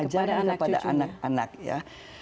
kejarah kepada anak anak ya